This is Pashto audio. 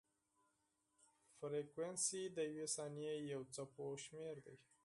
فریکونسي د یوې ثانیې د څپو شمېر دی.